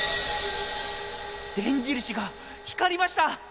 電印が光りました！